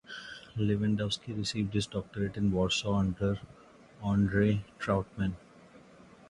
Lewandowski received his doctorate in Warsaw under Andrzej Trautman.